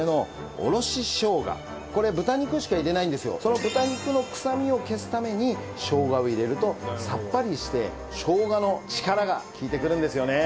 その豚肉のくさみを消すためにしょうがを入れるとさっぱりしてしょうがの力が効いてくるんですよね。